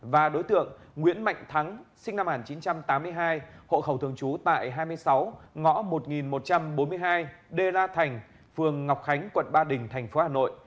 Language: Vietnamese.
và đối tượng nguyễn mạnh thắng sinh năm một nghìn chín trăm tám mươi hai hộ khẩu thường trú tại hai mươi sáu ngõ một nghìn một trăm bốn mươi hai đê la thành phường ngọc khánh quận ba đình tp hà nội